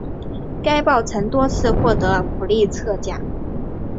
该报曾多次获得普利策奖。